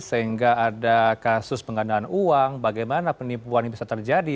sehingga ada kasus penggandaan uang bagaimana penipuan ini bisa terjadi